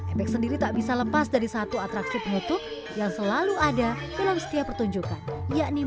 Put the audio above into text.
ebek sendiri tak bisa lepas dari satu atraksi penutup yang selalu ada dalam setiap pertunjukan yakni